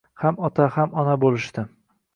Ham ota, ham ona bo‘lishdi.